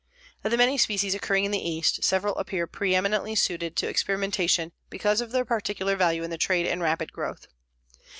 Of the many species occurring in the East, several appear preëminently suited to experimentation because of their particular value in the trade and rapid growth.